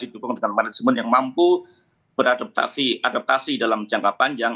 di dukung dengan management yang mampu beradaptasi dalam jangka panjang